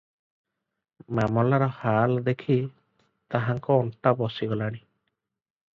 ମାମଲାର ହାଲ ଦେଖି ତାହାଙ୍କ ଅଣ୍ଟା ବସିଗଲାଣି ।